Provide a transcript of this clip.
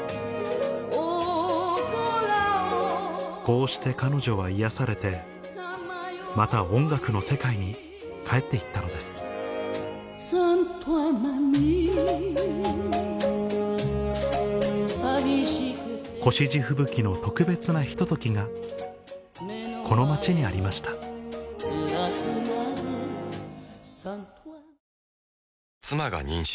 こうして彼女は癒やされてまた音楽の世界に帰って行ったのです越路吹雪の特別なひとときがこの町にありました妻が妊娠。